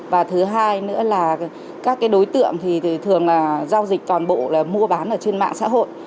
và thứ hai nữa là các đối tượng thì thường là giao dịch toàn bộ mua bán ở trên mạng xã hội